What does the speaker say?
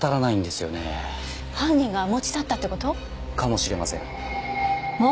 犯人が持ち去ったって事？かもしれません。